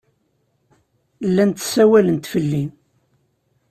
Llant ssawalent fell-i.